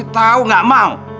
tahu gak mau